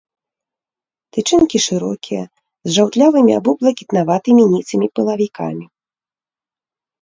Тычынкі шырокія, з жаўтлявымі або блакітнаватымі ніцымі пылавікамі.